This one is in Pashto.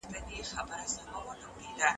ولي د خوړو بوی د ارامتیا او یادونو احساس راویښوي؟